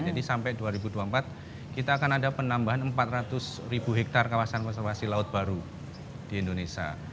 jadi sampai dua ribu dua puluh empat kita akan ada penambahan empat ratus ribu hektare kawasan konservasi laut baru di indonesia